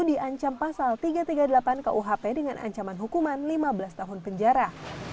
diancam pasal tiga ratus tiga puluh delapan kuhp dengan ancaman hukuman lima belas tahun penjara